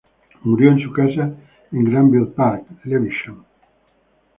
Murió en su casa en Granville Park, Lewisham.